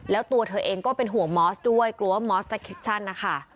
แล้วตัวเธอเองก็เป็นห่วงมอสด้วยกลัวว่ามอสจะคิดสั้นนะคะ